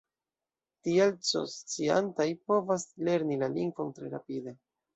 Tial, C-sciantaj povas lerni la lingvon tre rapide.